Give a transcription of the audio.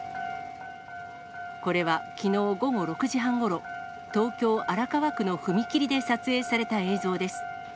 これは、きのう午後６時半ごろ、東京・荒川区の踏切で撮影された映像です。